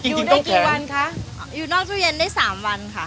จริงจริงต้องแข็งอยู่ได้กี่วันคะอยู่นอกตู้เย็นได้สามวันค่ะ